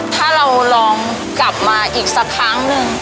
ถ้าเราลองกลับมาอีกสักครั้งหนึ่ง